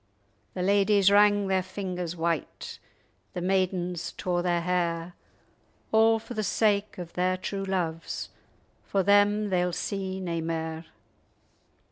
The ladyes wrang their fingers white; The maidens tore their hair, A' for the sake of their true loves; For them they'll see nae mair.